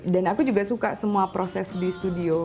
dan aku juga suka semua proses di studio